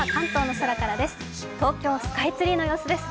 東京スカイツリーの様子です。